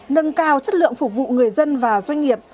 nâng cao chất lượng phục vụ người dân và doanh nghiệp